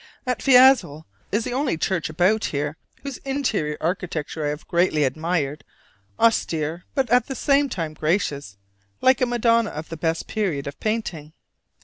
At Fiesole is the only church about here whose interior architecture I have greatly admired, austere but at the same time gracious like a Madonna of the best period of painting.